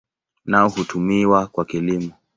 Nao hutumiwa kwa kilimo.